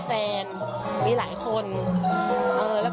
โปรดติดตามต่อไป